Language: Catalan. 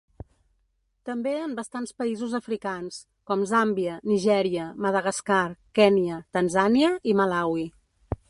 També en bastants països africans, com Zàmbia, Nigèria, Madagascar, Kenya, Tanzània i Malawi.